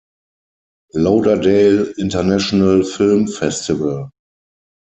Lauderdale International Film Festival.